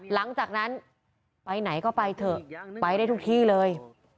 หลังจากนั้นไปไหนก็ไปเถอะไปได้ทุกที่เลย